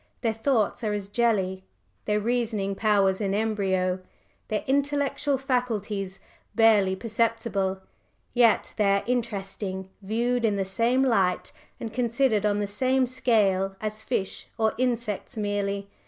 Their thoughts are as jelly, their reasoning powers in embryo, their intellectual faculties barely perceptible. Yet they are interesting, viewed in the same light and considered on the same scale as fish or insects merely.